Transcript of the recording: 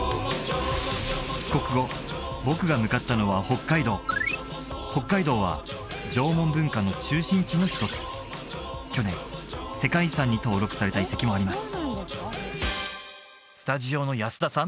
帰国後僕が向かったのは北海道北海道は縄文文化の中心地の１つ去年世界遺産に登録された遺跡もあります